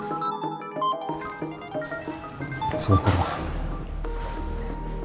saat ini saya hanya ingin menginfoak kalian kepada bapak